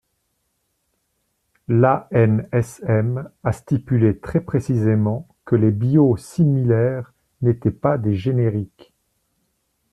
L’ANSM a stipulé très précisément que les biosimilaires n’étaient pas des génériques.